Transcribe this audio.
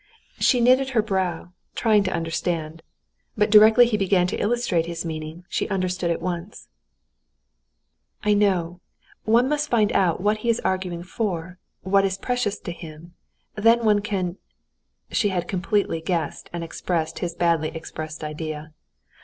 She knitted her brow, trying to understand. But directly he began to illustrate his meaning, she understood at once. "I know: one must find out what he is arguing for, what is precious to him, then one can...." She had completely guessed and expressed his badly expressed idea.